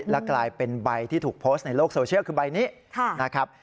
และกลายเป็นใบที่ถูกโพสต์ในโลกโซเชียลคือใบนี้นะครับ